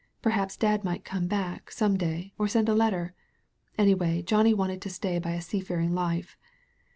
Perhaps Dad might come back, some day, or send a letter. Anyway Johnny wanted to stay by a seafaring life.